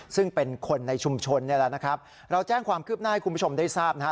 ซึ่งเป็นคนในชุมชนนี่แหละนะครับเราแจ้งความคืบหน้าให้คุณผู้ชมได้ทราบนะฮะ